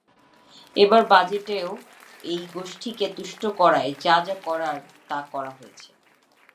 এবারের বাজেটেও এই গোষ্ঠীকে তুষ্ট করায় যা যা করার তা করা হয়েছে।